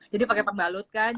jadi pakai pembalut kan